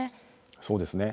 そうですね。